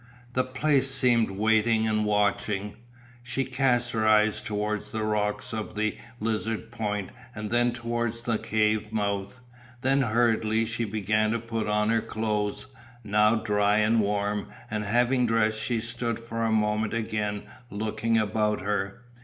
The place seemed waiting and watching. She cast her eyes towards the rocks of the Lizard Point and then towards the cave mouth; then hurriedly she began to put on her clothes, now dry and warm, and having dressed she stood for a moment again looking about her.